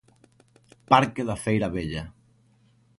Parque da feira Vella.